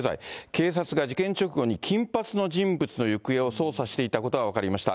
警察が事件直後に金髪の人物の行方を捜査していたことが分かりました。